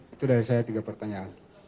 itu dari saya tiga pertanyaan